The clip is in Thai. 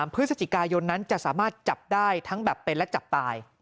พฤศจิกายนนั้นจะสามารถจับได้ทั้งแบบเป็นและจับตาย